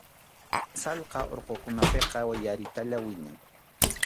Sallqa urqukunapiqa yaritalla wiñan.